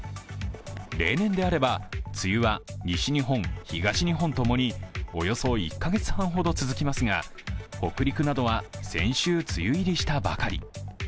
例年であれば、梅雨は西日本、東日本ともにおよそ１カ月半ほど続きますが北陸などは先週梅雨入りしたばかり。